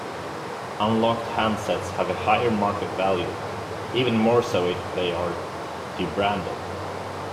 Unlocked handsets have a higher market value, even more so if they are debranded.